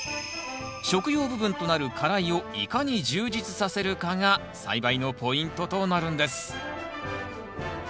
食用部分となる花蕾をいかに充実させるかが栽培のポイントとなるんです